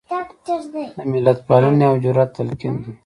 د ملتپالنې او جرات تلقین دی.